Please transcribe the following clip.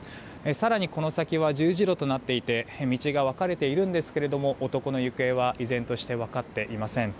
更にこの先は十字路となっていて道が分かれているんですけれども男の行方は依然として分かっていません。